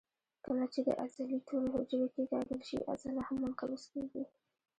کله چې د عضلې ټولې حجرې کیکاږل شي عضله هم منقبض کېږي.